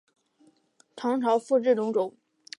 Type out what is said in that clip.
唐朝复置龙州。